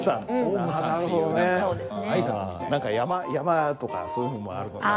何か山とかそういうのもあるのかな？